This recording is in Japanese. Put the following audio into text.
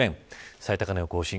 最高値を更新。